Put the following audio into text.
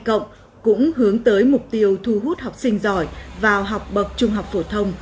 chương trình vnu một mươi hai cũng hướng tới mục tiêu thu hút học sinh giỏi vào học bậc trung học phổ thông